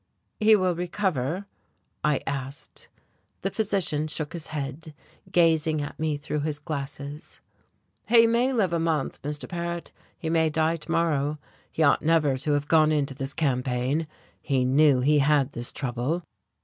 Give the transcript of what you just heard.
"He will recover?" I asked. The physician shook his head, gazing at me through his glasses. "He may live a month, Mr. Paret, he may die to morrow. He ought never to have gone into this campaign, he knew he had this trouble.